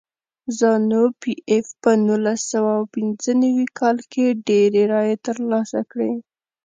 زانو پي ایف په نولس سوه پنځه نوي کال کې ډېرې رایې ترلاسه کړې.